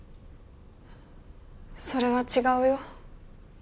それは違うよ。